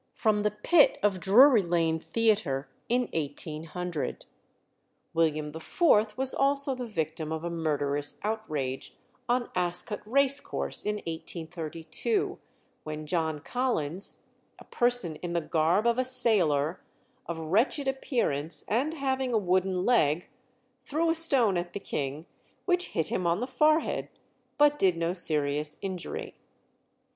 from the pit of Drury Lane theatre in 1800. William IV. was also the victim of a murderous outrage on Ascot race course in 1832, when John Collins, "a person in the garb of a sailor, of wretched appearance, and having a wooden leg," threw a stone at the king, which hit him on the forehead, but did no serious injury.